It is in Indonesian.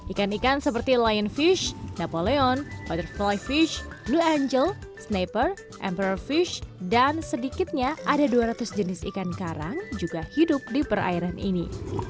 ikan ikan seperti lionfish napoleon butterflyfish blue angel snapper emperorfish dan sedikitnya ada dua ratus jenis ikan karang juga hidup di perairan ini